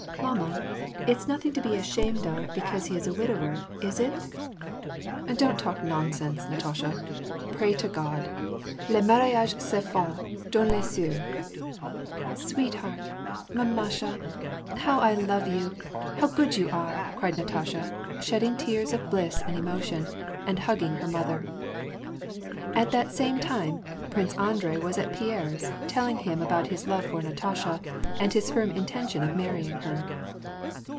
" Mamma, it's nothing to be ashamed of because he is a wid ower, is it ?" WAR ASD PEACE. 225 ^* Don't talk nonsense, Natasha. Pray to Crod ! Les mar riages se font dans les eieux !"*' Sweetheart !* mamasha ! how I love you, how good you are !" cried Natasha, shedding tears of bliss and emotion, and hugging her mother. At that same time, Prince Andrei was at Pierre's, telling him about his love for Natasha, and his firm intention of mar rying her.